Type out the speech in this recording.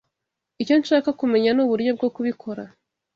Icyo nshaka kumenya nuburyo bwo kubikora.